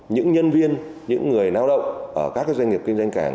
những nhân viên những người nao động ở các cái doanh nghiệp kinh doanh cảng